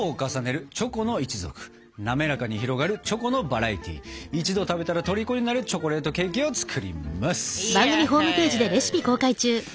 滑らかに広がるチョコのバラエティー一度食べたらとりこになるチョコレートケーキを作ります。